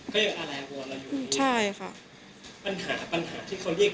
เขาจะเอาอะไรของเราอยู่อยู่นี่ปัญหาครับปัญหาที่เขาเรียกไปเคลียร